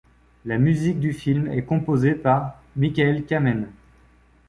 La musique du film est composée par Michael Kamen.